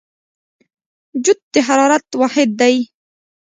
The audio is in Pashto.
جوت د حرارت واحد دی.